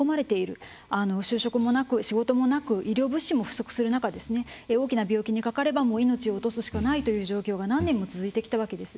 就職もなく仕事もなく医療物資も不足する中大きな病気にかかれば命を落とすしかないという状況が何年も続いてきたわけです。